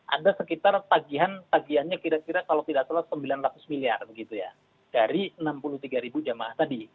ada sekitar tagihan tagihannya kira kira kalau tidak salah sembilan ratus miliar begitu ya dari enam puluh tiga ribu jamaah tadi